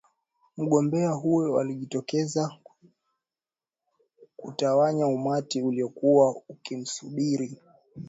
Mgombea huyo alijitokeza kutawanya umati uliokuwa ukimsubiri